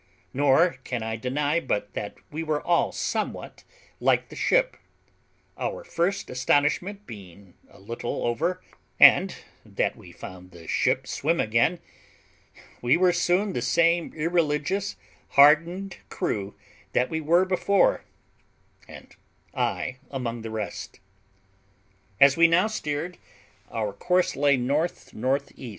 Nor can I deny but that we were all somewhat like the ship; our first astonishment being a little over, and that we found the ship swim again, we were soon the same irreligious, hardened crew that we were before, and I among the rest. As we now steered, our course lay N.N.E.